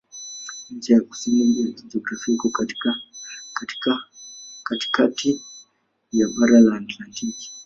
Ncha ya kusini ya kijiografia iko katikati ya bara la Antaktiki.